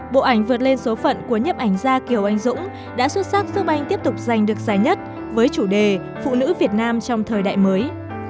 bộ ảnh vượt lên số phận của nhếp ảnh gia kiều anh dũng đã xuất sắc giúp anh tiếp tục giành được giải nhất với chủ đề phụ nữ việt nam trong thời đại mới